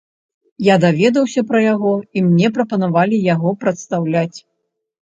Я даведаўся пра яго, і мне прапанавалі яго прадстаўляць.